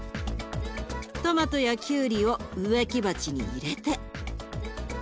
トマトやきゅうりを植木鉢に入れて。